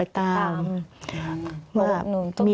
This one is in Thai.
ยังไง